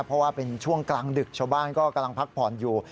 เพราะว่าเป็นช่วงกลางดึกชาวบ้านก็กำลังพักผ่อนอยู่